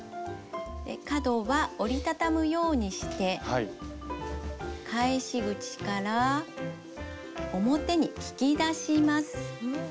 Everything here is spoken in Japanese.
角は折り畳むようにして返し口から表に引き出します。